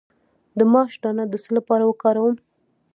د ماش دانه د څه لپاره وکاروم؟